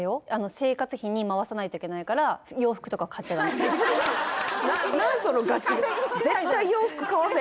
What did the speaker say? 生活費に回さないといけないから洋服とか買っちゃダメ何？